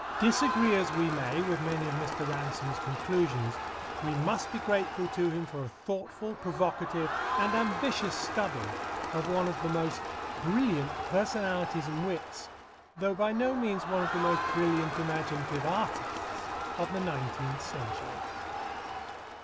Disagree as we may with many of Mr. Ransome's conclusions, we must be grateful to him for a thoughtful, provocative, and ambitious study of one of the most brilliant personalities and wits, though by no means one of the most brilliant imaginative artists, of the nineteenth century.